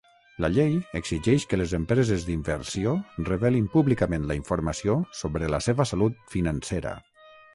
La llei exigeix que les empreses d'inversió revelin públicament la informació sobre la seva salut financera.